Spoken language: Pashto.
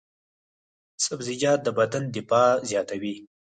سبزیجات د بدن دفاع زیاتوي.